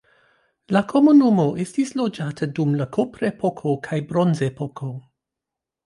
La komunumo estis loĝata dum la kuprepoko kaj bronzepoko.